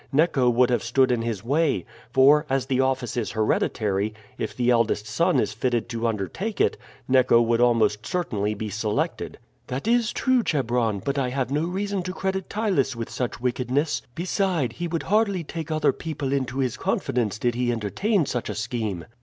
Neco would have stood in his way, for, as the office is hereditary, if the eldest son is fitted to undertake it, Neco would almost certainly be selected." "That is true, Chebron, but I have no reason to credit Ptylus with such wickedness; beside, he would hardly take other people into his confidence did he entertain such a scheme.